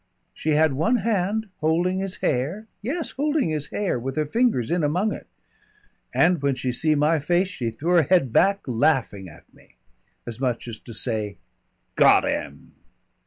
"She had one hand holding his hair yes, holding his hair, with her fingers in among it.... "And when she see my face she threw her head back laughing at me. "As much as to say, 'got 'im!'